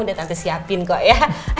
udah nanti siapin kok ya